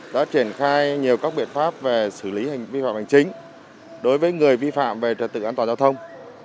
đã triển khai nhiều các biện pháp về xử lý hành vi phạm hành chính đối với người vi phạm về trật tự an toàn giao thông